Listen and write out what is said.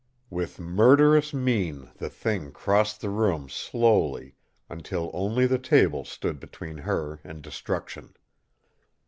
With murderous mien the thing crossed the room slowly, until only the table stood between her and destruction.